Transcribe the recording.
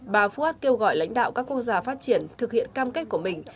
bà fuad kêu gọi lãnh đạo các quốc gia phát triển thực hiện cam kết của mình